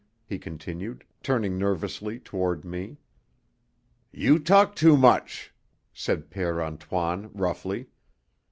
he continued, turning nervously toward me. "You talk too much," said Père Antoine roughly.